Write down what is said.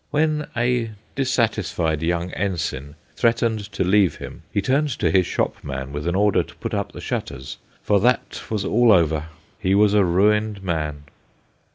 When a dissatisfied young ensign threatened to leave him, he turned to his shopman with an order to put up the shutters, for that all was over, he was a ruined man.